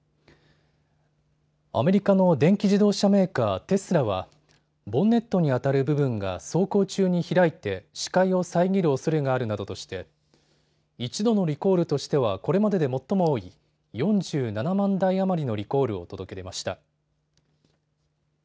アメリカの電気自動車メーカー、テスラはボンネットにあたる部分が走行中に開いて視界を遮るおそれがあるなどとして一度のリコールとしてはこれまでで最も多い４７万台余りのリコールを届け出ました。